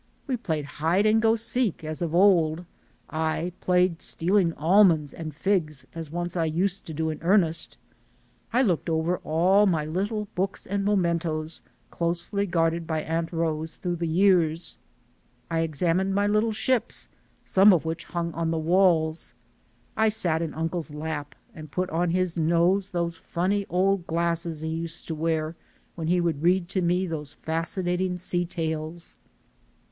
We played hide and go seek as of old ; I played stealing almonds and figs as once I used to do in earnest ; I looked over all my little books and mementoes, closely guarded by Aunt Rose through all the years; I examined my little ships, some of which hung on the walls ; I sat in uncle's lap and put on his nose those funny old glasses he used to wear when he would read to me those fasci nating sea tales.